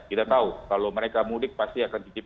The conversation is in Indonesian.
kita tahu kalau mereka mudik pasti akan titip